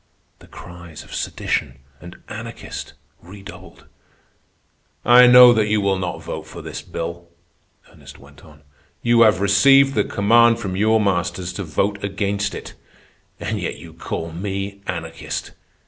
The cries of "Sedition!" and "Anarchist!" redoubled. "I know that you will not vote for this bill," Ernest went on. "You have received the command from your masters to vote against it. And yet you call me anarchist.